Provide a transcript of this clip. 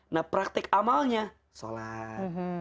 nah praktik amalnya sholat